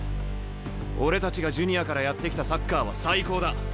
俺たちがジュニアからやってきたサッカーは最高だ。